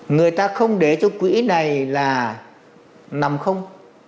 người ta không để cho quỹ này là nằm không